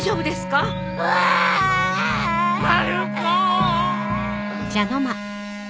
まる子！